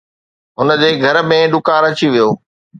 هن جي گهر ۾ ڏڪار اچي ويو